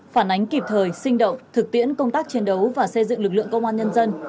phản ánh kịp thời sinh động thực tiễn công tác chiến đấu và xây dựng lực lượng công an nhân dân